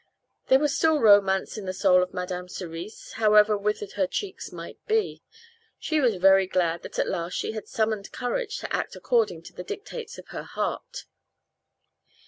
There was still romance in the soul of Madame Cerise, however withered her cheeks might be. She was very glad that at last she had summoned courage to act according to the dictates of her heart.